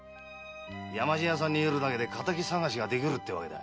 山路屋さんにいるだけで仇捜しができるってわけだ。